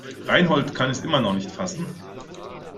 Reinhold kann es noch immer nicht fassen.